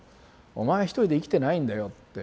お前一人で生きてないんだよって。